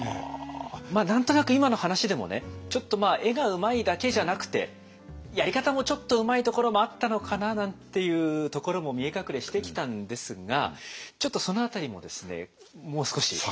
まあ何となく今の話でもねちょっと絵がうまいだけじゃなくてやり方もちょっとうまいところもあったのかななんていうところも見え隠れしてきたんですがちょっとその辺りももう少し。